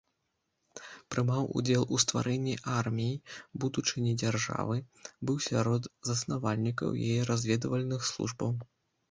Прымаў удзел у стварэнні арміі будучыні дзяржавы, быў сярод заснавальнікаў яе разведвальных службаў.